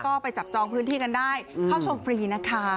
ก็ไปจับจองพื้นที่กันได้เข้าชมฟรีนะคะ